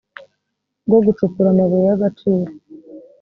rwo gucukura amabuye y agaciro